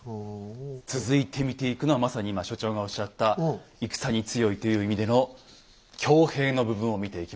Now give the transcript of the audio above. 続いて見ていくのはまさに今所長がおっしゃった「戦に強い」という意味での「強兵」の部分を見ていきましょうはい。